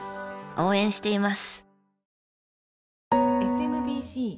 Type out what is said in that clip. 応援しています。